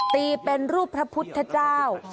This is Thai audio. ตีเป็นรูปพระพุทธเจ้า